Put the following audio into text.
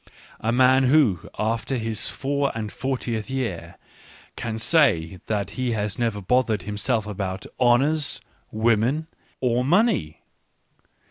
A man who, after his four and fortieth year, can say that he has never bothered himself about honours, women, or money